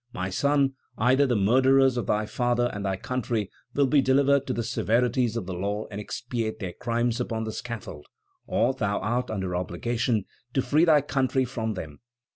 My son, either the murderers of thy father and thy country will be delivered to the severities of the law and expiate their crimes upon the scaffold, or thou art under obligation to free thy country from them.